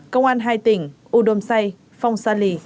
công an hai tỉnh u đôm say phong sa lì